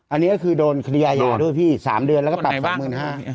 อันนี้ก็คือโดนคณียาหยาด้วยพี่๓เดือนแล้วก็ปรับ๒๕๐๐๐บาท